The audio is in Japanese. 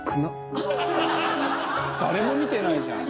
誰も見てないじゃん。